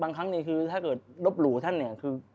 ครั้งนี้คือถ้าเกิดลบหลู่ท่านเนี่ยคือ